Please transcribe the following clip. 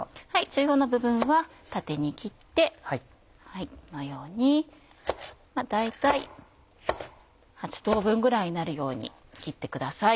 中央の部分は縦に切ってこのように大体８等分ぐらいになるように切ってください。